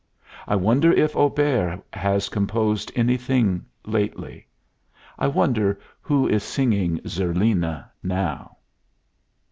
I wonder if Auber has composed anything lately? I wonder who is singing 'Zerlina' now?"